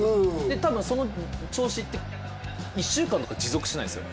たぶんその調子って１週間とか持続しないんすよ。